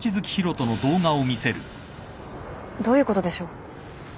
どういうことでしょう。